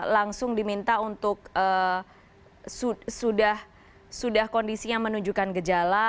langsung diminta untuk sudah kondisinya menunjukkan gejala